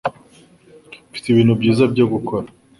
Mfite ibintu byiza byo gukora